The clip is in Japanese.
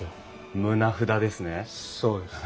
棟札ですね？